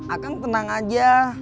akan tenang aja